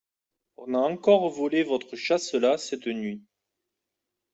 On a encore volé votre chasselas cette nuit.